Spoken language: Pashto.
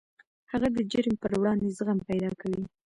هغه د جرم پر وړاندې زغم پیدا کوي